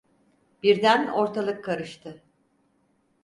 Birden ortalık karıştı…